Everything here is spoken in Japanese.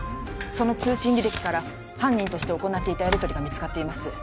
その通信履歴から犯人として行っていたやりとりが見つかっています